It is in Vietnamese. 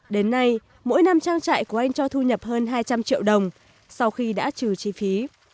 đến nay mỗi năm trang trại của anh cho thu nhập hơn hai trăm linh triệu đồng sau khi đã trừ chi phí